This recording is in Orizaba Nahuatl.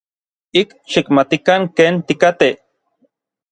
Ik xikmatikan ken tikatej.